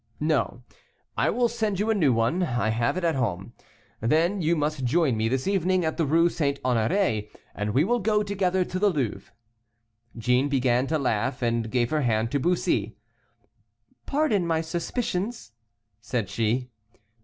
"No, I will send you a new one I have at home; then you must join me this evening at the Rue St. Honoré. and we will go together to the Louvre." Jeanne began to laugh, and gave her hand to Bussy. "Pardon my suspicions," said she.